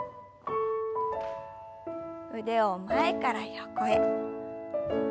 腕を前から横へ。